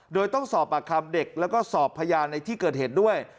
โดยต้องสอบปากคำเด็กแล้วก็สอบพยานในที่เกิดเหตุด้วย